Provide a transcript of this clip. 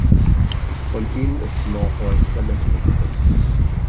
Von ihnen ist Morpheus der mächtigste.